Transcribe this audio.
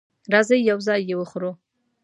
راځئ یو ځای یی وخورو